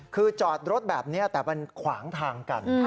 คือจอดรถแบบนี้แต่มันขวางทางกัน